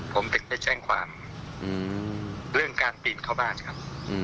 ผมถึงไปแจ้งความเรื่องการปีนเข้าบ้านครับ